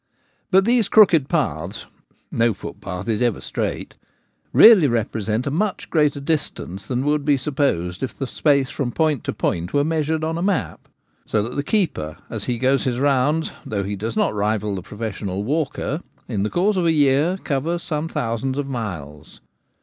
But these crooked paths — no foot path is ever straight — really represent a much greater distance than would be supposed if the space from point to point were measured on a map. So that the keeper as he goes his rounds, though he does not rival the professional walker, in the course of a year covers some thousands of miles.